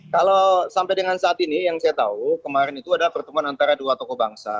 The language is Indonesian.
kalau sampai dengan saat ini yang saya tahu kemarin itu adalah pertemuan antara dua tokoh bangsa